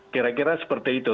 kira kira seperti itu